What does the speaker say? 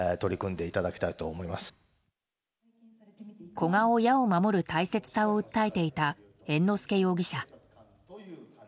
子が親を守る大切さを訴えていた猿之助容疑者。